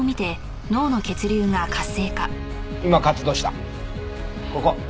今活動したここ。